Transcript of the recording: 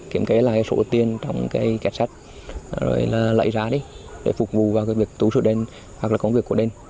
kiểm kế lại số tiền trong kết sát rồi lấy ra để phục vụ vào việc tố sửa đền hoặc là công việc của đền